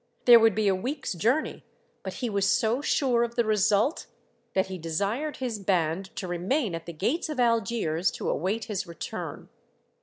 There would be a week's journey, but he was so sure of the result that he desired his band to remain at the gates of Algiers to await his return.